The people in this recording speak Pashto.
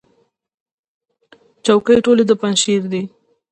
چوکۍ ټولې د پنجشیر دي.